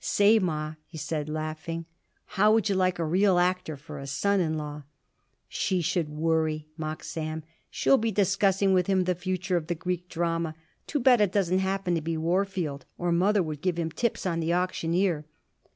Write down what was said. "Say, Ma," he said laughingly, "how would you like a real actor for a son in law?" "She should worry," mocked Sam. "She'll be discussing with him the future of the Greek drama. Too bad it doesn't happen to be Warfield, or mother could give him tips on the 'Auctioneer.'"